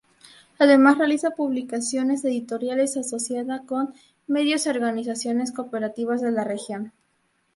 Además, realiza publicaciones editoriales asociada con medios y organizaciones cooperativas de la región.